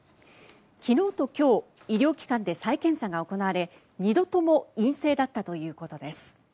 昨日と今日医療機関で再検査が行われ２度とも陰性だったということです。